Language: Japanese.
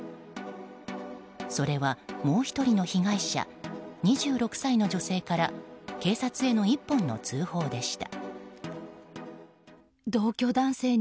それは、もう１人の被害者２６歳の女性から警察への１本の通報でした。